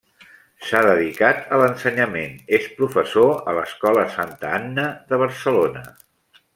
S'ha dedicat a l'ensenyament, és professor a l'Escola Santa Anna de Barcelona.